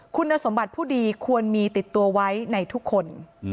คุณสมบัติผู้ดีควรมีติดตัวไว้ในทุกคน